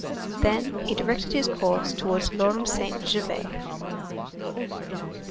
Then he directed his course towards l'Orme Saint Gervais.